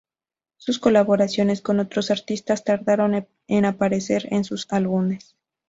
Sus colaboraciones con otros artistas tardaron en aparecer en sus álbumes.